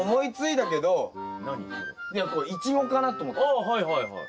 ああはいはいはい。